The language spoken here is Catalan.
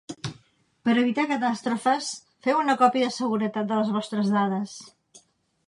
Per evitar catàstrofes, feu una còpia de seguretat de les vostres dades.